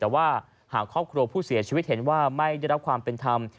แต่ว่าหากครอบครัวผู้เสียชีวิตเห็นว่าไม่ได้รับความเป็นธรรม